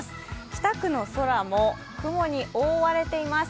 北区の空も雲に覆われています。